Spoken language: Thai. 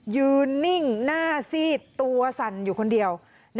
นิ่งหน้าซีดตัวสั่นอยู่คนเดียว